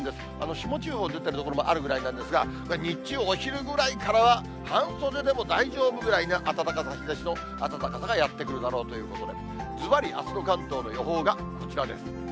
霜注意報出ている所もあるぐらいなんですが、日中お昼ぐらいからは、半袖でも大丈夫くらいな暖かさ、日ざしの暖かさがやって来るだろうということで、ずばりあすの関東の予報がこちらです。